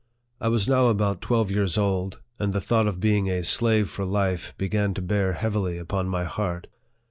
I was now about twelve years old, and the thought of being a slave for life began to bear heavily upon my heart.